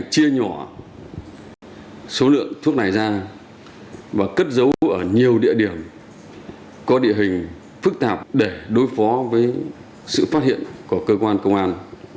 chia nhỏ số lượng thuốc này ra và cất giấu ở nhiều địa điểm có địa hình phức tạp để đối phó với sự phát hiện của cơ quan công an